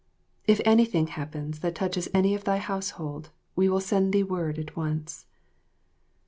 If anything happens that touches any of thy household, we will send thee word at once.